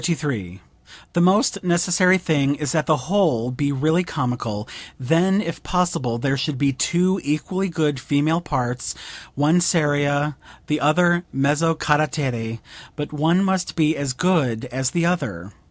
]) 43. "The most necessary thing is that the whole be really comical; then, if possible, there should be two equally good female parts, one seria, the other mezzo carattere; but one must be as good as the other.